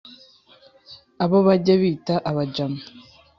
abo bajya bita abajama